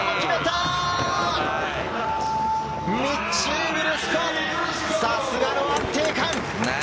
ミッチー・ブルスコ、さすがの安定感！